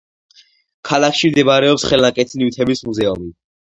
ქალაქში მდებარეობს ხელნაკეთი ნივთების მუზეუმი.